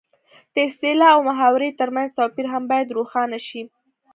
د اصطلاح او محاورې ترمنځ توپیر هم باید روښانه شي